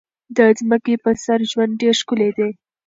د ځمکې په سر ژوند ډېر ښکلی دی.